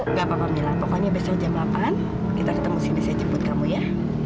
nggak apa apa bilang pokoknya besok jam delapan kita ketemu sini saya jemput kamu ya